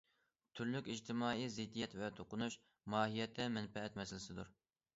تۈرلۈك ئىجتىمائىي زىددىيەت ۋە توقۇنۇش، ماھىيەتتە، مەنپەئەت مەسىلىسىدۇر.